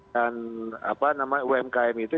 dan umkm itu